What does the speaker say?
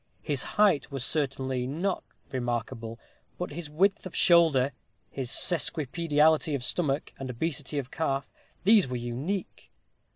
His height was certainly not remarkable; but his width of shoulder his sesquipedality of stomach and obesity of calf these were unique!